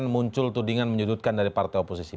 muncul tudingan menyudutkan dari partai oposisi